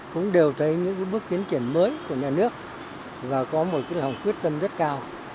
cũng đều thấy những bước tiến triển mới của nhà nước và có một lòng quyết tâm rất cao